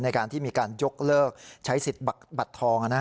ในการที่มีการยกเลิกใช้สิทธิ์บัตรทอง